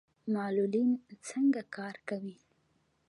معلولین څنګه کار کوي؟